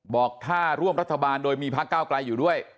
บอกถ้าร่วมรัฐบาลโดยมีพักเก้าไกลอยู่ด้วย